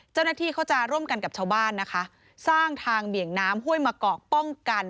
เจ้าหน้าที่เขาจะร่วมกันกับชาวบ้านนะคะสร้างทางเบี่ยงน้ำห้วยมะกอกป้องกัน